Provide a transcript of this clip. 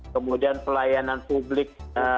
kemudian pelayanan publik